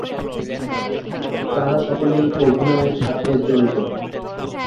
তারা সকলেই অভিনয়ের সাথে জড়িত।